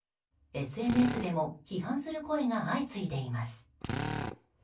ＳＮＳでも批判する声が相次いでいます。